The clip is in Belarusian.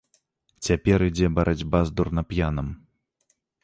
Цяпер ідзе барацьба з дурнап'янам.